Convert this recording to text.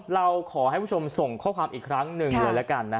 เราขอให้ผู้ชมส่งข้อความอีกครั้งหนึ่งเลยละกัน